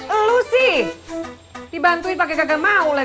elu sih dibantuin pakai kagak mau lagi